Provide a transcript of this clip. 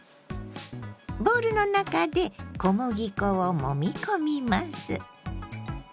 ボウルの中で小麦粉をもみ込みます。